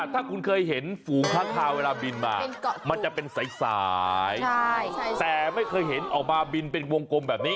ถ้าคุณเคยเห็นฝูงค้างคาวเวลาบินมามันจะเป็นสายแต่ไม่เคยเห็นออกมาบินเป็นวงกลมแบบนี้